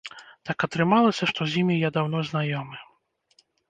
Так атрымалася, што з імі я даўно знаёмы.